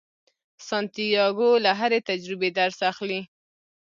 سانتیاګو له هرې تجربې درس اخلي.